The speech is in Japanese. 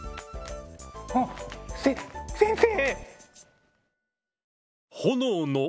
あっせ先生！